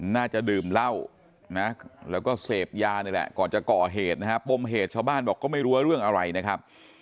น่าจะดื่มเหล้านะแล้วก็เสพยานี่แหละก่อนจะก่อเหตุนะฮะปมเหตุชาวบ้านบอกก็ไม่รู้ว่าเรื่องอะไรนะครับ